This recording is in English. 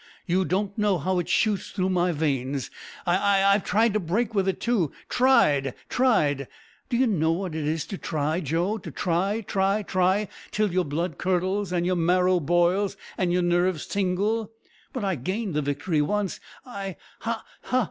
You don't know how it shoots through my veins. I I've tried to break with it, too tried tried! D'ee know what it is to try, Joe, to try try try till your blood curdles, an' your marrow boils, and your nerves tingle but I gained the victory once I ha! ha!